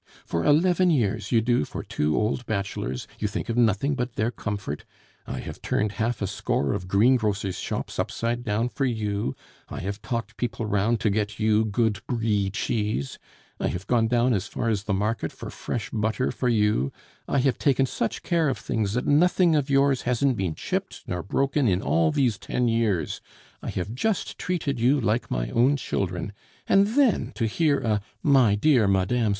for eleven years you do for two old bachelors, you think of nothing but their comfort. I have turned half a score of greengrocers' shops upside down for you, I have talked people round to get you good Brie cheese; I have gone down as far as the market for fresh butter for you; I have taken such care of things that nothing of yours hasn't been chipped nor broken in all these ten years; I have just treated you like my own children; and then to hear a 'My dear Mme.